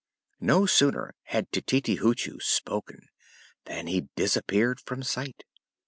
No sooner had Tititi Hoochoo spoken than he disappeared from sight.